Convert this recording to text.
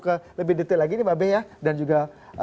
ke lebih detail lagi nih mbak bey ya dan juga